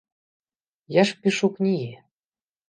Я ж пішу кнігі.